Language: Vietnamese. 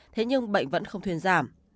thế nhưng bệnh vẫn không thuyền giảm